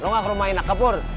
lo gak ke rumah inak kepur